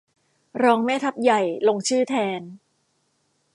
รองแม่ทัพใหญ่ ลงชื่อแทน